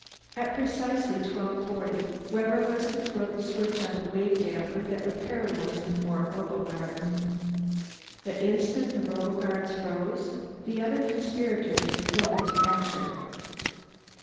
At precisely 1240, Webber was to throw the switch on the wave damper that would paralyze the four roboguards. The instant the roboguards froze, the other conspirators would go into action.